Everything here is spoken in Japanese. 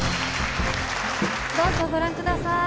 どうぞご覧ください